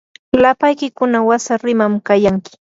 lapaykiykuna wasariman kayanki.